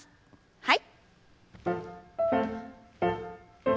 はい。